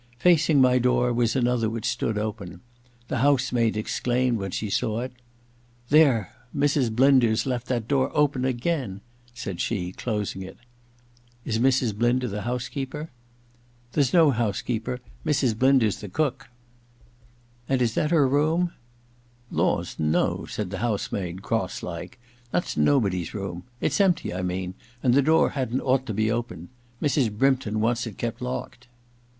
Facing my door was another which stood open : the house msdd exclaimed when she saw it. f THE LADY'S MAID'S BELL 125 * There — Mrs. Blinder *s left that door open again !' said she, closing it. * Is Mrs. Blmder the housekeeper ?There's no housekeeper : Mrs. Blinder 's the cook.' * And is that her room ?'* Laws, no/ said the house maid, cross like. * That's nobody's room. It's empty, I mean, and the door hadn't ought to be open. Mrs. Brympton wants it kept locked.'